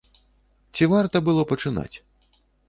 Ці варта было пачынаць?